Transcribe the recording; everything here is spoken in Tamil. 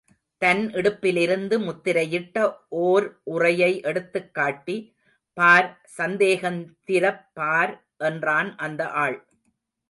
தன் இடுப்பிலிருந்து, முத்திரையிட்ட ஓர் உறையை எடுத்துக்காட்டி, பார், சந்தேகந்திரப் பார் என்றான் அந்த ஆள்.